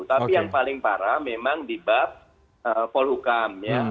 tapi yang paling parah memang di bab pol hukum